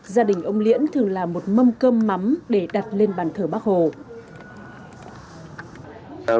gia đình ông liễn thường làm một mâm cơm mắm để đặt lên ban thờ bác hồ